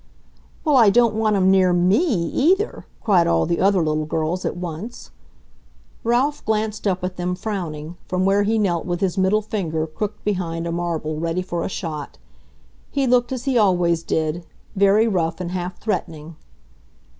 "Well, I don't want him near ME, either!" cried all the other little girls at once. Ralph glanced up at them frowning, from where he knelt with his middle finger crooked behind a marble ready for a shot. He looked as he always did, very rough and half threatening.